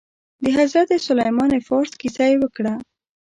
د حضرت سلمان فارس كيسه يې وكړه.